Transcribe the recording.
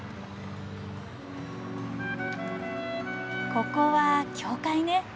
ここは教会ね。